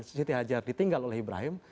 siti hajar ditinggal oleh ibrahim